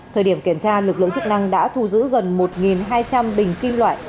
thời điểm kiểm tra lực lượng chức năng đã thu giữ gần một hai trăm linh bình kim loại